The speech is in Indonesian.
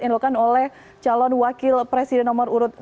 yang dilakukan oleh calon wakil presiden nomor satu